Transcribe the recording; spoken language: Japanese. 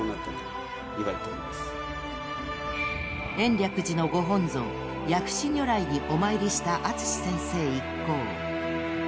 ［延暦寺のご本尊薬師如来にお参りした淳先生一行］